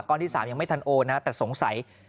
ที่๓ยังไม่ทันโอนนะแต่สงสัย